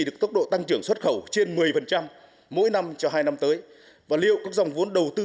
được tốc độ tăng trưởng xuất khẩu trên một mươi mỗi năm cho hai năm tới và liệu các dòng vốn đầu tư